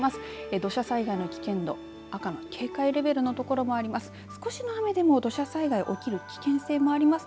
土砂災害の危険度赤の警戒レベルのところもあります。